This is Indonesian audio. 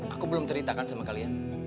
aku belum ceritakan sama kalian